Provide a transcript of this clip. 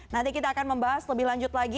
nanti kita akan membahas lebih lanjut lagi